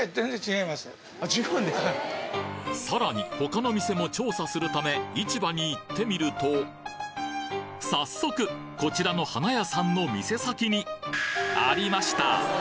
さらに他の店も調査するため市場に行ってみると早速こちらの花屋さんの店先にありました！